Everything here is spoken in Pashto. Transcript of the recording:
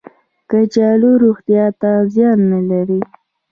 کچالو روغتیا ته زیان نه لري